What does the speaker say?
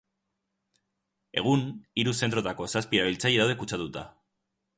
Egun, hiru zentrotako zazpi erabiltzaile daude kutsatuta.